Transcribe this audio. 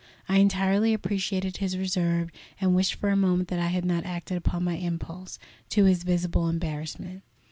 I entirely appreciated his reserve, and wished for a moment that I had not acted upon my impulse, to his visible embarrassment.